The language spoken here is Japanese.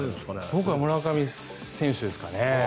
僕は村上選手ですかね。